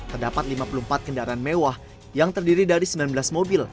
terdapat lima puluh empat kendaraan mewah yang terdiri dari sembilan belas mobil